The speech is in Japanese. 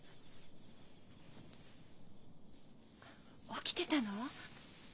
あっ起きてたの？